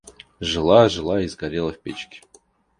Жила, жила и сгорела в печке.